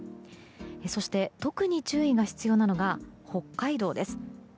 そして、特に注意が必要なのが北海道です。